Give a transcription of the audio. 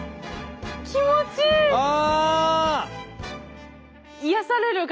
気持ちいいし。